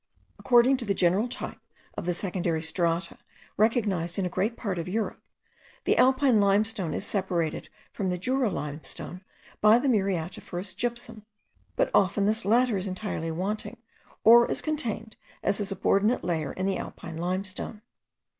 According to the general type of the secondary strata, recognised in a great part of Europe, the Alpine limestone is separated from the Jura limestone by the muriatiferous gypsum; but often this latter is entirely wanting, or is contained as a subordinate layer in the Alpine limestone.